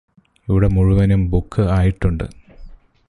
ഇവിടെ മുഴുവനും ബുക്ക് ആയിട്ടുണ്ട്